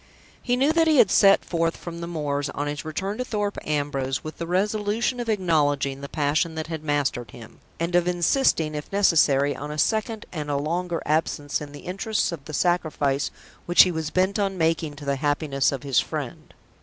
He knew that he had set forth from the moors on his return to Thorpe Ambrose with the resolution of acknowledging the passion that had mastered him, and of insisting, if necessary, on a second and a longer absence in the interests of the sacrifice which he was bent on making to the happiness of his friend.